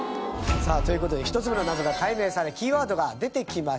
さあという事で１つ目の謎が解明されキーワードが出てきました。